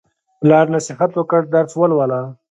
پلار نصیحت وکړ: درس ولوله.